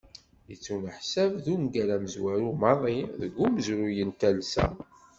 Yettuneḥsab d ungal amezwaru maḍi deg umezruy n talsa.